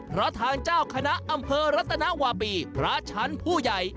เพราะทางเจ้าคณะอำเภอรัตนวาปีพระชั้นผู้ใหญ่